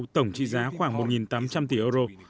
tổng trị giá khoảng một tám trăm linh tỷ euro